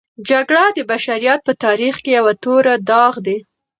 جګړه د بشریت په تاریخ کې یوه توره داغ دی.